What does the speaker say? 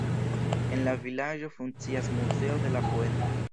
En la vilaĝo funkcias muzeo de la poeto.